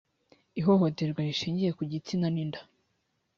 ihohoterwa rishingiye ku gitsina n inda